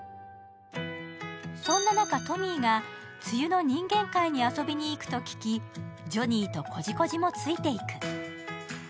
そんな中、トミーが梅雨の人間界に遊びに行くと聞き、ジョニーとコジコジもついていく。